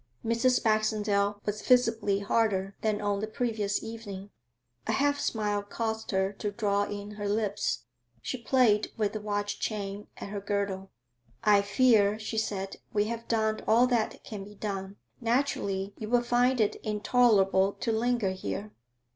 Mrs. Baxendale was visibly harder than on the previous evening. A half smile caused her to draw in her lips; she played with the watch chain at her girdle. 'I fear,' she said, 'we have done all that can be done. Naturally you would find it intolerable to linger here.'